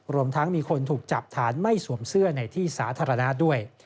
รวมทั้งมีคนถูกจับฐานไม่สวมเสื้อในที่สาธารณะด้วย